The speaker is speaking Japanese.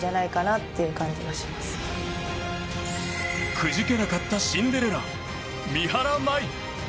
くじけなかったシンデレラ三原舞依。